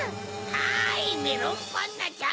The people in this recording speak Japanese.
はいメロンパンナちゃん。